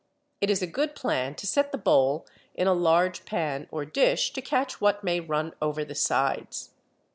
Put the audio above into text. It is a good plan to set the bowl in a large pan or dish to catch what may run over the sides.